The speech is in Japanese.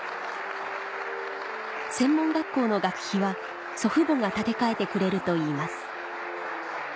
専門学校の学費は祖父母が立て替えてくれるといいます